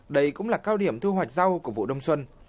đây cũng là cao điểm thu hoạch rau của vụ đông xuân